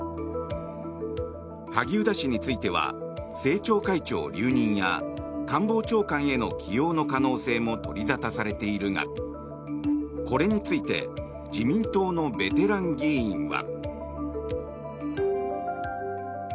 萩生田氏については政調会長留任や官房長官への起用の可能性も取り沙汰されているがこれについて自民党のベテラン議員は。